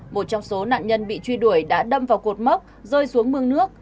một trong số nạn nhân bị truy đuổi đã đâm vào cột mốc rơi xuống mương nước